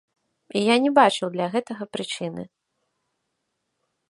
Я і не бачыў для гэтага прычыны.